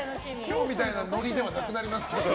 今日みたいなノリではなくなりますけども。